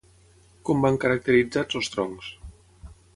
Com van caracteritzats els troncs?